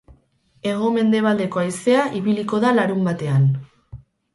Hego-mendebaldeko haizea ibiliko da larunbatean.